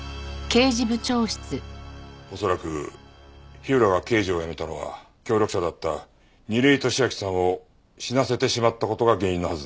恐らく火浦が刑事を辞めたのは協力者だった楡井敏秋さんを死なせてしまった事が原因のはずです。